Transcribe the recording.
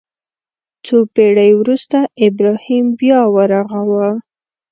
څو پېړۍ وروسته ابراهیم بیا ورغاوه.